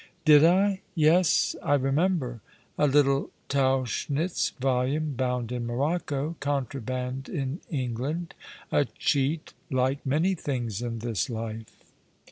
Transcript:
"Did I? Yes, I remember — a little Tauchnitz volume bound in morocco — contraband in England. A cheat — like many things in this life."